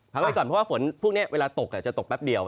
ไว้ก่อนเพราะว่าฝนพวกนี้เวลาตกจะตกแป๊บเดียว